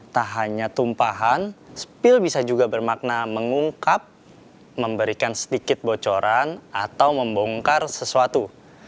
tak hanya tumpahan spill bisa juga bermakna mengungkap memberikan sedikit bocoran atau membongkar sesuatu